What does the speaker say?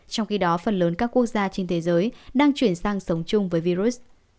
trong khi đó phần lớn các quốc gia trên thế giới đang chuyển sang sống chung với virus